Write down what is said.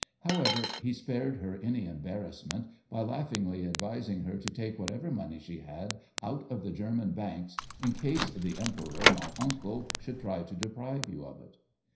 However, he spared her any embarrassment by laughingly advising her to take whatever money she had out of the German banks in case "the Emperor, my uncle, should try to deprive you of it."